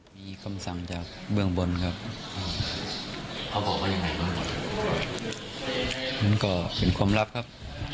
มีคำสั่งจากเบื้องบนครับเขาก็เป็นความลับครับ